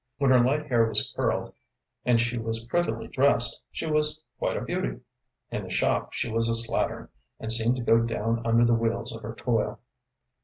When her light hair was curled, and she was prettily dressed, she was quite a beauty. In the shop she was a slattern, and seemed to go down under the wheels of her toil.